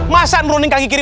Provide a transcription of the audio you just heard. masa meruning kaki kiri